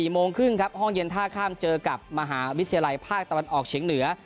โมงครึ่งครับห้องเย็นท่าข้ามเจอกับมหาวิทยาลัยภาคตะวันออกเฉียงเหนือ